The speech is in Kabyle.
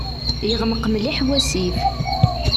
Yeɣmeq mliḥ wasif.